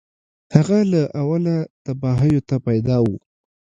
هغه له اوله تباهیو ته پیدا و